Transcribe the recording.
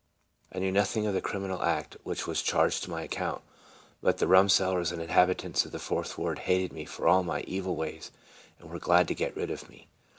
I knew nothing of the criminal act which was charged to my account; but the rumsellers and inhabitants of the Fourth ward hated me for all my evil ways, and were glad to get rid of me.